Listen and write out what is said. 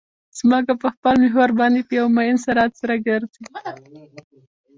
ځمکه په خپل محور باندې په یو معین سرعت سره ګرځي